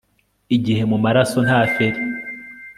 igihe mu maraso nta feri